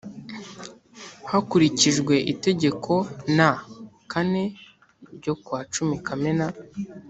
Hakurikijwe itegeko n kane ryo kuwa cumi kamena